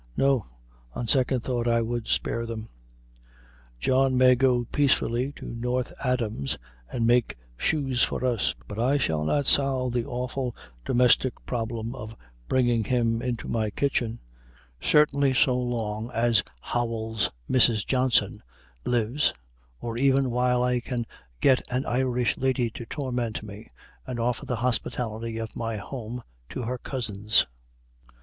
No; on second thought I would spare them. John may go peacefully to North Adams and make shoes for us, but I shall not solve the awful domestic problem by bringing him into my kitchen; certainly so long as Howells's "Mrs. Johnson" lives, nor even while I can get an Irish lady to torment me, and offer the hospitality of my home to her cousins.